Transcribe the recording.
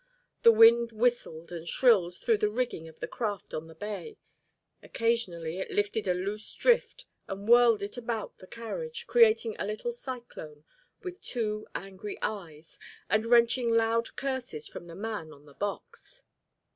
The wind whistled and shrilled through the rigging of the craft on the bay; occasionally it lifted a loose drift and whirled it about the carriage, creating a little cyclone with two angry eyes, and wrenching loud curses from the man on the box.